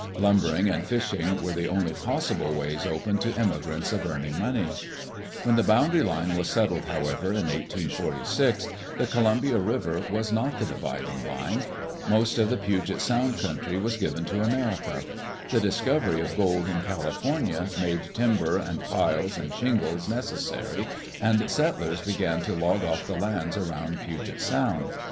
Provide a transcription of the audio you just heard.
Lum bering and fishing were the only possible ways open to emigrants of earning money. When the boundary line was settled, however, in 1846, the Columbia River was not the dividing line. Most of Digitized by CjOOQ IC EARLY DAYS IN OLD OREGON the Puget Sound country was given to America. The dis covery of gold in California made timber and piles and shingles necessary, and settlers began to log off the lands around Puget Sound.